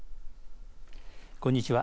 こんにちは。